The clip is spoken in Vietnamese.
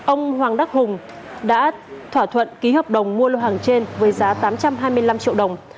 ông hoàng đắc hùng đã thỏa thuận ký hợp đồng mua lô hàng trên với giá tám trăm hai mươi năm triệu đồng